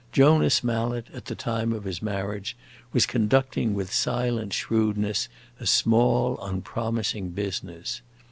Jonas Mallet, at the time of his marriage, was conducting with silent shrewdness a small, unpromising business.